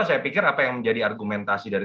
saya pikir apa yang menjadi argumentasi dari